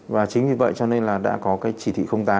và chính vì vậy cho nên là đã có cái chỉ thị tám